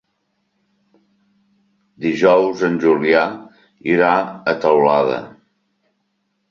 Dijous en Julià irà a Teulada.